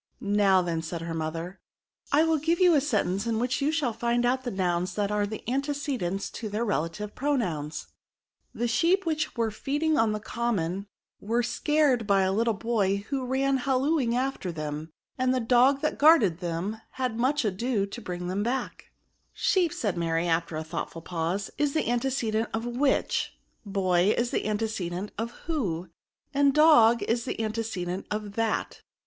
" Now then,'* said her mother, " I will give you a sentence, in which you shall find out the nouns that axe antecedents to their relative pronoims. ^ The sheep which were * feeding on the common were scared by a RELATIVE PRONOUNS. 185 * little boy who ran hallooing after them, and *the d(^ that guarded them had much ado to * bring them bade/ ^Sheep^ said Mary, after a thoughtftd pause, is the antecedent of which ; boy is the antecedent olwhiO; and dog, the antecedent of that.